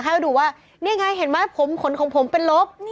ให้ดูว่านี่ไงเห็นไหมผมขนของผมเป็นลบ